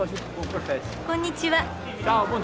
こんにちは。